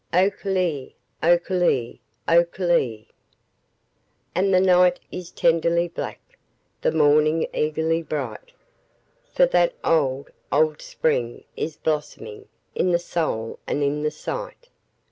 O ke lee, o ke lee, o ke lee! And the night is tenderly black, The morning eagerly bright, For that old, old spring is blossoming In the soul and in the sight.